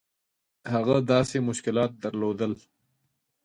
هغه داسې مشکلات درلودل.